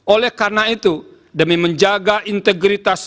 oleh karena itu demi menjaga integritas